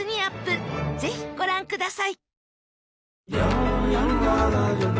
ぜひご覧ください！